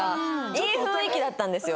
いい雰囲気だったんですよ。